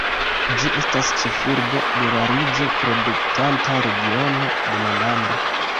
Ĝi estas ĉefurbo de la rizo-produktanta regiono de la lando.